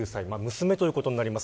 娘ということになります。